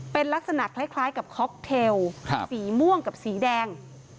เป็นลักษณะคล้ายกับค็อกเทลสีม่วงกับสีแดง